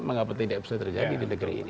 mengapa tidak bisa terjadi di negeri ini